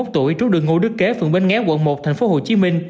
năm mươi một tuổi trú đường ngũ đức kế phường bến nghé quận một tp hcm